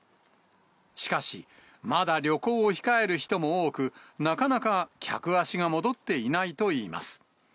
しかし、まだ旅行を控える人も多く、なかなか客足が戻っていないといいます。